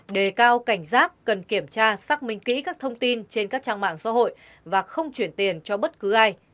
đề cao cảnh giác cần kiểm tra xác minh kỹ các thông tin trên các trang mạng xã hội và không chuyển tiền cho bất cứ ai